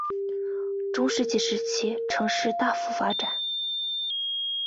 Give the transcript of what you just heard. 中世纪时期城市大幅发展。